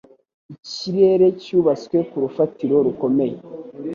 Ikirere cyubatswe ku rufatiro rukomeye.